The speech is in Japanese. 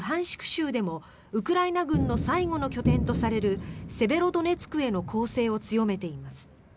州でもウクライナ軍の最後の拠点とされるセベロドネツクへの攻勢を強めています。